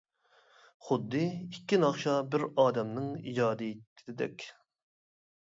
خۇددى ئىككى ناخشا بىر ئادەمنىڭ ئىجادىيىتىدەك.